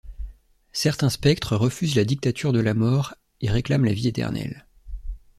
Certains spectres refusent la dictature de la Mort et réclament la Vie éternelle.